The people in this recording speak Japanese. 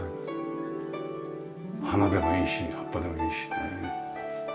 花でもいいし葉っぱでもいいしね。